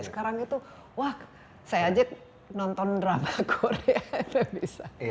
sekarang itu wah saya aja nonton drama korea